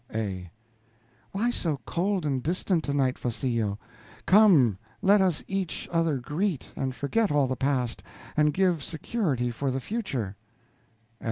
A. Why so cold and distant tonight, Farcillo? Come, let us each other greet, and forget all the past, and give security for the future.